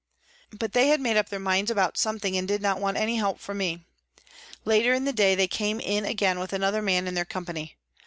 But they had made up their minds about something, and did not want any help from me. Later in the day they came in again with another man in their company.